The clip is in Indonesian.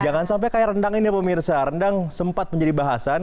jangan sampai kayak rendang ini pemirsa rendang sempat menjadi bahasan